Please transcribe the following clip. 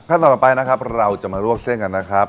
ต่อไปนะครับเราจะมาลวกเส้นกันนะครับ